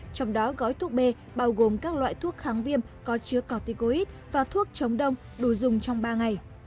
trong đó gói thuốc b bao gồm các loại thuốc kháng viêm có chứa corticoid và thuốc chống đông đủ dùng trong ba ngày